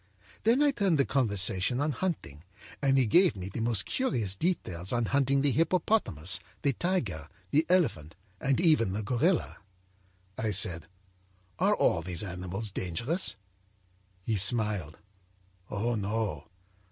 âThen I turned the conversation on hunting, and he gave me the most curious details on hunting the hippopotamus, the tiger, the elephant and even the gorilla. âI said: â'Are all these animals dangerous?' âHe smiled: â'Oh, no!